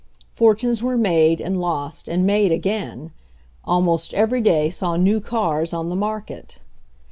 For tunes were made and lost and made again. Al most every day saw new cars on the market.